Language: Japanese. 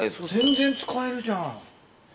全然使えるじゃん。